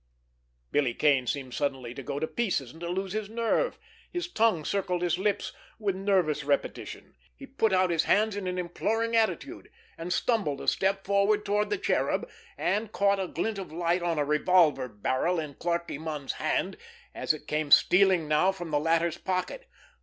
Billy Kane seemed suddenly to go to pieces and to lose his nerve. His tongue circled his lips with nervous repetition. He put out his hands in an imploring attitude, and stumbled a step forward toward the Cherub, and caught a glint of light on a revolver barrel in Clarkie Munn's hand, as it came stealing now from the latter's pocket.